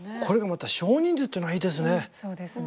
これがまた少人数っていうのがいいですね。